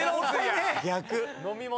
逆。